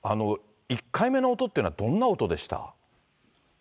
１回目の音っていうのはどんな音でした？